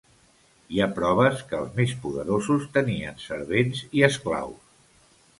Hi ha proves que els més poderosos tenien servents i esclaus.